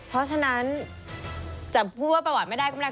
เพราะฉะนั้นจะพูดว่าประวัติไม่ได้ก็ไม่ได้